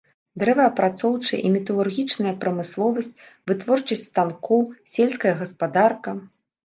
Дрэваапрацоўчая і металургічная прамысловасць, вытворчасць станкоў, сельская гаспадарка.